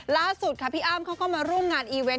ล่าสุดค่ะพี่อ้ำเขาก็มาร่วมงานอีเวนต